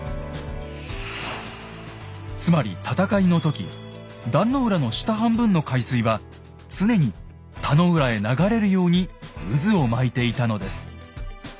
つまり戦いの時壇の浦の下半分の海水は常に田野浦へ流れるように渦を巻いていたのです。